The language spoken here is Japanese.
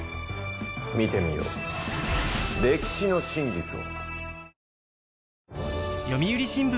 見てみよう歴史の真実を。